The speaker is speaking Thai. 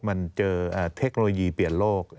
มันเจอเทคโนโลยีเปลี่ยนโลก